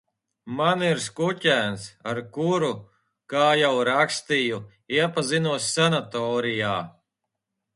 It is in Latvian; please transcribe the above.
Man ir skuķēns, ar kuru, kā jau rakstīju, iepazinos sanatorijā.